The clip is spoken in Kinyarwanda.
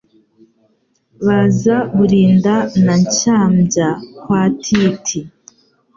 Baza Burinda na Nshambya kwa Titi